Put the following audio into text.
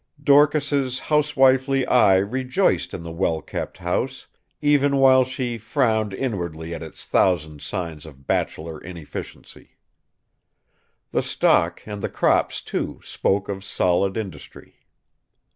Dorcas's housewifely eye rejoiced in the well kept house, even while she frowned inwardly at its thousand signs of bachelor inefficiency. The stock and the crops, too, spoke of solid industry.